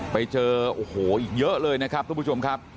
ไปเจอโอ้โหอีกเยอะเลยนะครับทุกผู้ชมครับ